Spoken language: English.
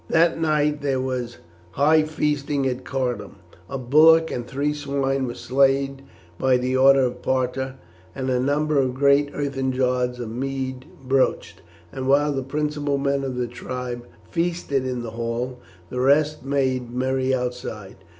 That night there was high feasting at Cardun. A bullock and three swine were slain by order of Parta, and a number of great earthen jars of mead broached, and while the principal men of the tribe feasted in the hall, the rest made merry outside.